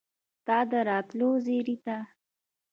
ستا د راتلو زیري ته